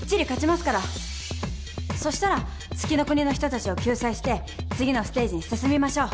そしたら月ノ国の人たちを救済して次のステージに進みましょう。